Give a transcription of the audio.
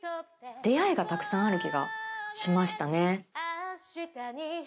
出合いがたくさんある気がしましたね。